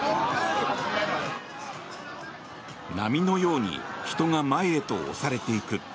波のように人が前へと押されていく。